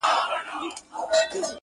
یو سړی نسته چي ورکړي تعویذونه,